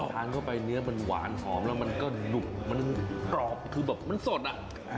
ทานเข้าไปเนื้อมันหวานหอมแล้วมันก็หนุบมันกรอบคือแบบมันสดอ่ะ